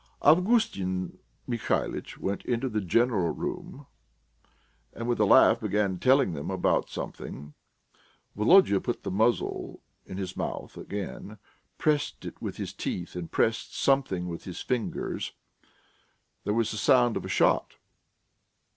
Avgustin Mihalitch went into the "general room," and with a laugh began telling them about something. Volodya put the muzzle in his mouth again, pressed it with his teeth, and pressed something with his fingers. There was a sound of a shot....